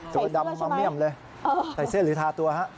ตัวดำมะเมี่ยมเลยใส่เสื้อหรือทาตัวฮะ